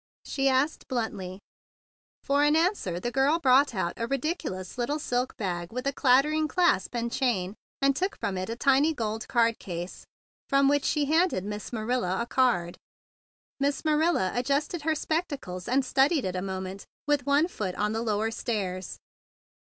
she asked bluntly. For answer the girl brought out a ridiculous little silk bag with a clatter¬ ing clasp and chain, and took therefrom a tiny gold card case, from which she handed Miss Marilla a card. Miss Ma¬ rilla adjusted her spectacles, and studied it a moment with one foot on the lower stairs.